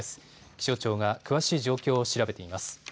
気象庁が詳しい状況を調べています。